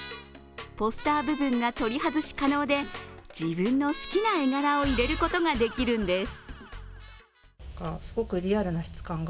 ポスター部分が取り外し可能で自分の好きな絵柄を入れることができるんです。